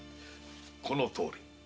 このとおり。